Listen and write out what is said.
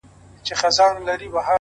o روح مي لا ورک دی ـ روح یې روان دی ـ